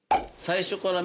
最初から？